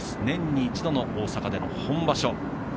年に一度の大阪での本場所。